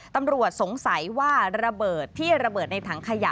ตำรวจสงสัยว่าระเบิดที่ระเบิดในถังขยะ